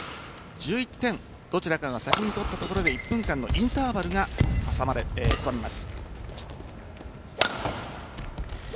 １１点どちらかが先に取ったところで１分間のインターバルを挟みます。